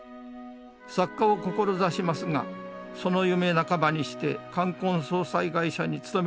作家を志しますがその夢半ばにして冠婚葬祭会社に勤めることになりました。